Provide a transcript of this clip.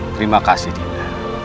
terima kasih dinda